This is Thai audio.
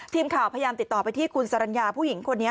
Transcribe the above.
ทีมข่าวพยายามติดต่อไปที่คุณสรรญาผู้หญิงคนนี้